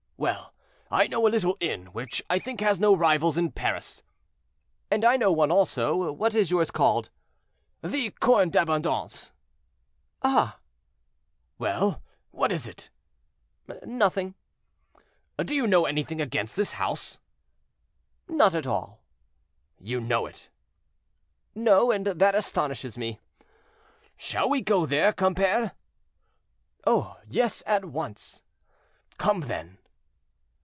"Well! I know a little inn, which I think has no rival in Paris." "And I know one also; what is yours called?" "The 'Corne d'Abondance.'" "Ah!" "Well, what is it?" "Nothing." "Do you know anything against this house?" "Not at all." "You know it?" "No; and that astonishes me." "Shall we go there, compère?" "Oh! yes, at once." "Come, then."